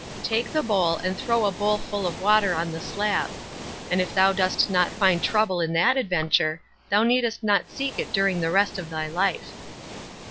Take, the bowl and throw a bowlful of water on the slab. And if thou dost not find trouble in that adventure, thou needest not seek it during the rest of thy life.'